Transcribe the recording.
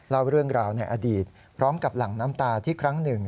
เล่าเรื่องราวในอดีตพร้อมกับหลั่งน้ำตาที่ครั้งหนึ่ง